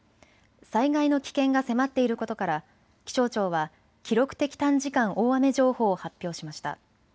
災害の危険が迫っていることから気象庁は記録的短時間大雨情報を発表しました。